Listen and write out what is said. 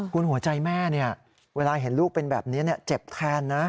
คุณหัวใจแม่เวลาเห็นลูกเป็นแบบนี้เจ็บแทนนะ